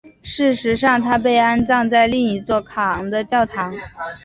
事实上她被安葬在另一座卡昂的教堂。